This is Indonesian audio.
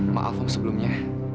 maaf om sebelumnya